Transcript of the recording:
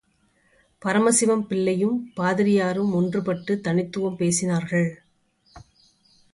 பரமசிவம் பிள்ளையும், பாதிரியாரும் ஒன்றுபட்டுத் தனித்தும் பேசினார்கள்.